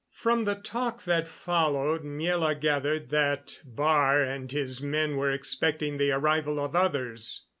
From the talk that followed Miela gathered that Baar and his men were expecting the arrival of others.